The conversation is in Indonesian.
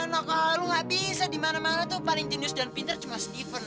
naka lo gak bisa dimana mana tuh paling jenius dan pinter cuma steven